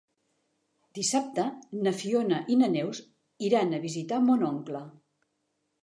Dissabte na Fiona i na Neus iran a visitar mon oncle.